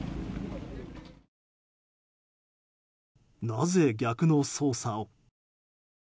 なぜ、逆の操作を？